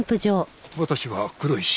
私は黒石。